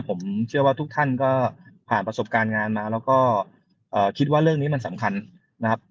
ผมเชื่อว่าทุกท่านก็ผ่านประสบการณ์งานมาแล้วก็คิดว่าเรื่องนี้มันสำคัญนะครับ